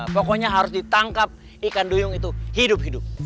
pokoknya harus ditangkap ikan duyung itu hidup hidup